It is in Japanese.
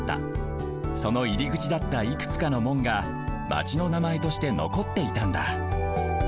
そのいりぐちだったいくつかの門がマチのなまえとしてのこっていたんだ